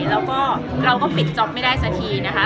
แล้วก็เราก็ปิดจ๊อปไม่ได้สักทีนะคะ